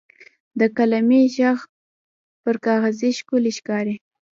د قلمي ږغ پر کاغذ ښکلی ښکاري.